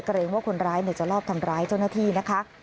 เกรงว่าคนร้ายจะลอบทำร้ายเจ้าหน้าที่นะคะ